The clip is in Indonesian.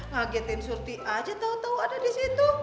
kagetin surti aja tau tau ada disitu